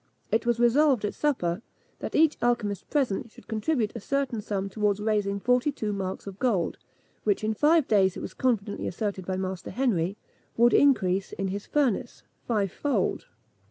It was resolved, at supper, that each alchymist present should contribute a certain sum towards raising forty two marks of gold, which, in five days, it was confidently asserted by Master Henry, would increase, in his furnace, fivefold.